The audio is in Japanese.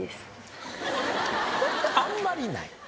「あんまりない」